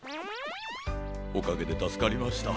おかげでたすかりました。